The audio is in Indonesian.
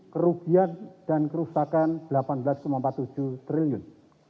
kerugian dan kerusakan rp delapan belas empat puluh tujuh triliun